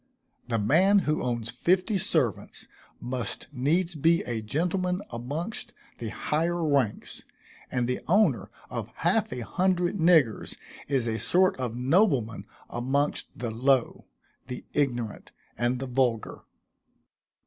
The man who owns fifty servants must needs be a gentleman amongst the higher ranks, and the owner of half a hundred niggers is a sort of nobleman amongst the low, the ignorant, and the vulgar.